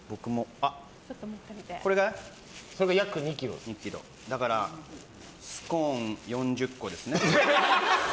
これが約２ｋｇだからスコーン４０個ですね。